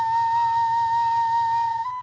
sampelung buah tangan